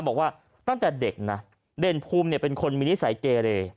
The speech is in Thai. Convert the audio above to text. บอกว่าตั้งแต่เด็กนะเด่นภูมิเนี่ยเป็นคนมีนิสัยเกเร